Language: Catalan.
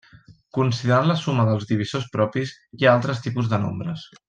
Considerant la suma dels divisors propis, hi ha altres tipus de nombres.